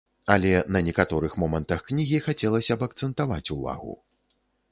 Але на некаторых момантах кнігі хацелася б акцэнтаваць увагу.